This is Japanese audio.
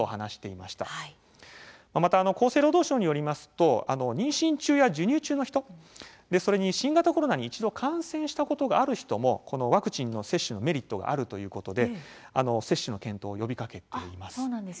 また厚生労働省によりますと妊娠中や授乳中の人それに新型コロナに一度感染したことがある人もこのワクチンの接種のメリットがあるということで接種の検討を呼びかけています。